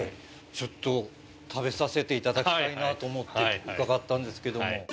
ちょっと食べさせていただきたいなと思って、伺ったんですけども。